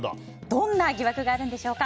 どんな疑惑があるんでしょうか？